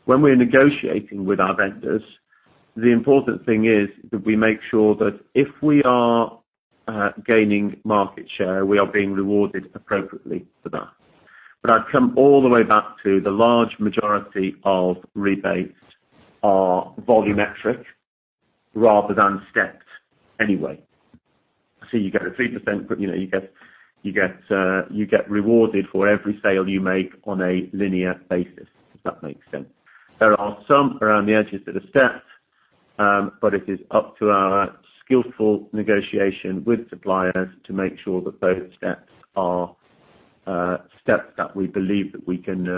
when we're negotiating with our vendors, the important thing is that we make sure that if we are gaining market share, we are being rewarded appropriately for that. I'd come all the way back to the large majority of rebates are volumetric rather than stepped anyway. You get a 3%, but, you know, you get rewarded for every sale you make on a linear basis, if that makes sense. There are some around the edges that are stepped, but it is up to our skillful negotiation with suppliers to make sure that those steps are steps that we believe that we can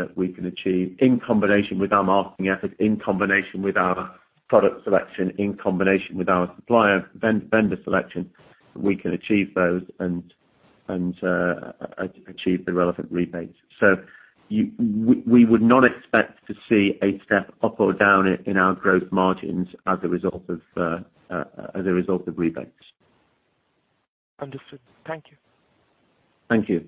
achieve in combination with our marketing efforts, in combination with our product selection, in combination with our supplier vendor selection, we can achieve those and achieve the relevant rebates. We would not expect to see a step up or down in our gross margins as a result of rebates. Understood. Thank you. Thank you.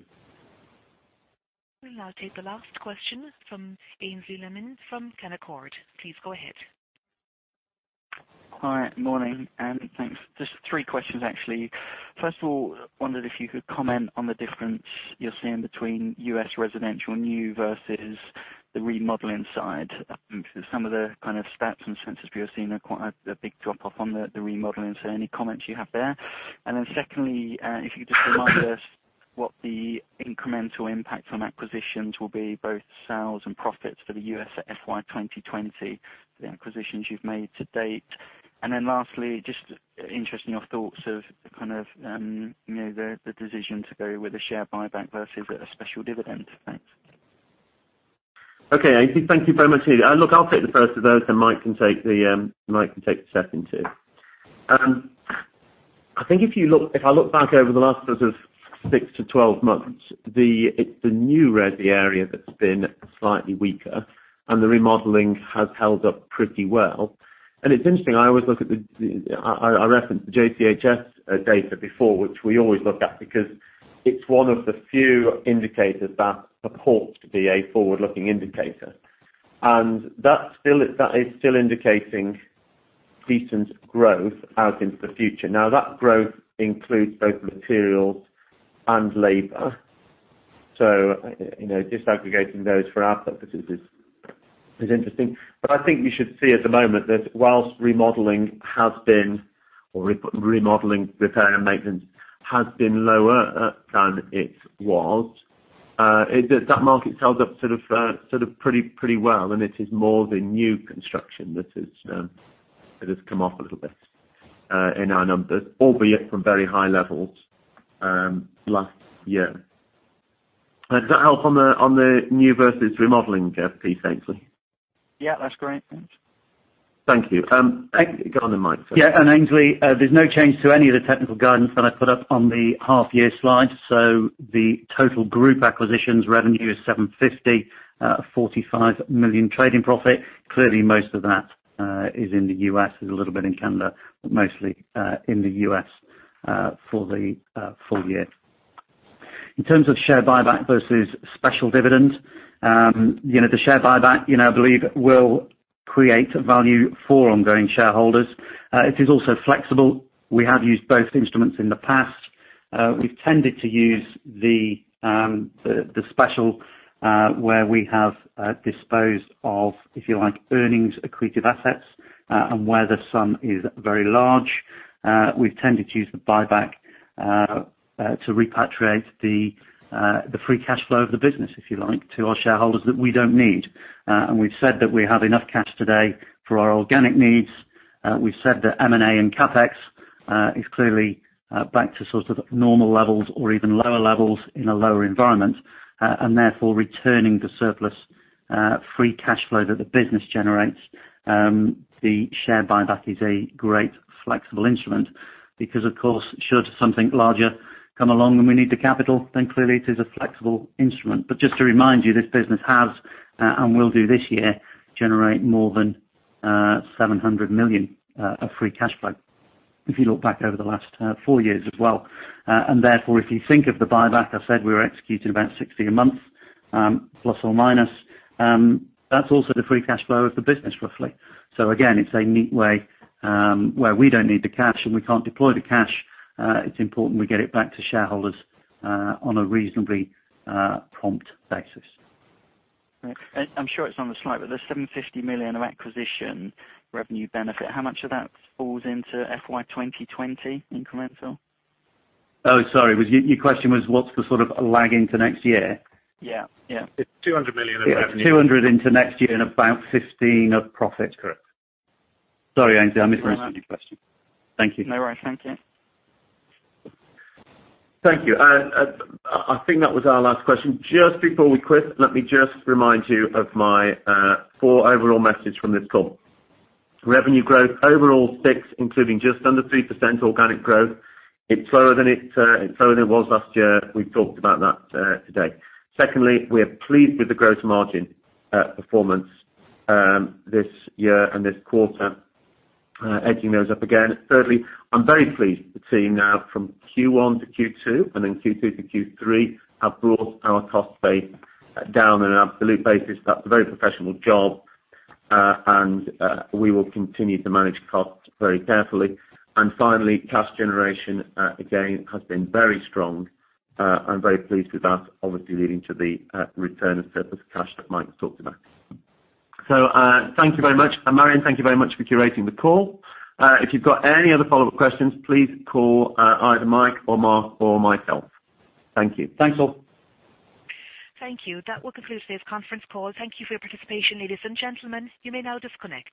We'll now take the last question from Aynsley Lammin from Canaccord Genuity. Please go ahead. Hi. Morning, and thanks. Just three questions, actually. First of all, wondered if you could comment on the difference you're seeing between U.S. residential new versus the remodeling side. 'Cause some of the kind of stats and census we are seeing are quite a big drop off on the remodeling. Any comments you have there. Secondly, if you could just remind us what the incremental impact on acquisitions will be, both sales and profits for the U.S. FY 2020, the acquisitions you've made to date. Lastly, just interested in your thoughts of kind of, you know, the decision to go with a share buyback versus a special dividend. Thanks. Okay, Aynsley, thank you very much indeed. I'll take the first of those, then Mike can take the second two. I think if I look back over the last sort of six-12 months, it's the new resi area that's been slightly weaker, and the remodeling has held up pretty well. It's interesting, I always look at the I referenced the JCHS data before, which we always look at because it's one of the few indicators that purports to be a forward-looking indicator. That is still indicating decent growth out into the future. Now, that growth includes both materials and labor. You know, disaggregating those for our purposes is interesting. I think you should see at the moment that whilst remodeling has been, or re-remodeling, repair and maintenance has been lower than it was, that market's held up sort of pretty well, and it is more the new construction that is that has come off a little bit in our numbers, albeit from very high levels last year. Does that help on the new versus remodeling gap, Aynsley? Yeah, that's great. Thanks. Thank you. Go on then, Mike. Aynsley, there's no change to any of the technical guidance that I put up on the half year slide. The total group acquisitions revenue is $750 million, $45 million trading profit. Most of that is in the U.S., there's a little bit in Canada, but mostly in the U.S. for the full year. In terms of share buyback versus special dividend, you know, the share buyback, you know, I believe will create value for ongoing shareholders. It is also flexible. We have used both instruments in the past. We've tended to use the special, where we have disposed of, if you like, earnings accretive assets, and where the sum is very large, we've tended to use the buyback to repatriate the free cash flow of the business, if you like, to our shareholders that we don't need. We've said that we have enough cash today for our organic needs. We've said that M&A and CapEx is clearly back to sort of normal levels or even lower levels in a lower environment, therefore returning the surplus free cash flow that the business generates. The share buyback is a great flexible instrument because, of course, should something larger come along and we need the capital, clearly it is a flexible instrument. Just to remind you, this business has, and will do this year, generate more than $700 million of free cash flow, if you look back over the last four years as well. Therefore, if you think of the buyback, I said we were executing about 60 a month, plus or minus. That's also the free cash flow of the business, roughly. It's a neat way, where we don't need the cash and we can't deploy the cash, it's important we get it back to shareholders, on a reasonably prompt basis. Right. I'm sure it's on the slide, but the $750 million of acquisition revenue benefit, how much of that falls into FY 2020 incremental? Oh, sorry. Your question was what's the sort of lag into next year? Yeah, yeah. It's $200 million in revenue. $200 million into next year and about $15 million of profit. That's correct. Sorry, Aynsley, I misread your question. Thank you. No worries. Thank you. Thank you. I think that was our last question. Just before we quit, let me just remind you of my four overall message from this call. Revenue growth overall six, including just under 3% organic growth. It's lower than it was last year. We've talked about that today. Secondly, we are pleased with the gross margin performance this year and this quarter, edging those up again. Thirdly, I'm very pleased to see now from Q1 to Q2, and then Q2 to Q3, have brought our cost base down on an absolute basis. That's a very professional job, and we will continue to manage costs very carefully. Finally, cash generation again, has been very strong. I'm very pleased with that, obviously leading to the return of surplus cash that Mike talked about. Thank you very much. Marian, thank you very much for curating the call. If you've got any other follow-up questions, please call either Mike or Mark or myself. Thank you. Thanks all. Thank you. That will conclude today's conference call. Thank you for your participation, ladies and gentlemen. You may now disconnect.